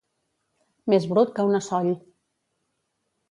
Més brut que una soll.